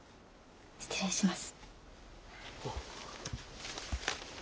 失礼します。